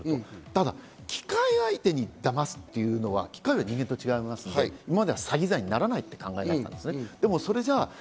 ただ機械相手にだますというのは機械は人間と違いますので、今までは詐欺罪にならないと考えていた。